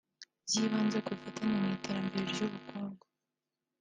byibanze ku bufatanye mu iterambere ry’ubukungu